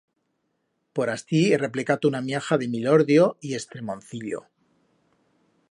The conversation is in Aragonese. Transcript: Por astí he replecato una miaja de milodio y estremoncillo.